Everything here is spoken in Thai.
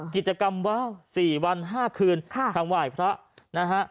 กิจกรรมว้าวสี่วันห้าคืนค่ะทางว่ายพระนะฮะ